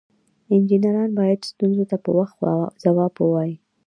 انجینران باید ستونزو ته په وخت ځواب ووایي.